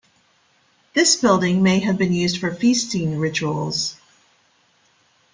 This building may have been used for feasting rituals.